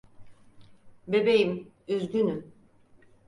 Bebeğim, üzgünüm.